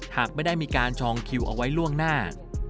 หากไม่ได้มีการจองคิวเอาไว้ล่วงหน้า